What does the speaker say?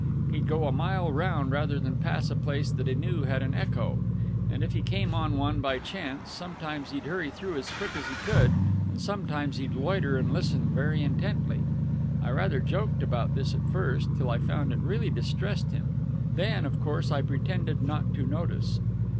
He'd go a mile round rather than pass a place that he knew had an echo; and if he came on one by chance, sometimes he'd hurry through as quick as he could, and sometimes he'd loiter and listen very intently. I rather joked about this at first, till I found it really distressed him; then, of course, I pretended not to notice.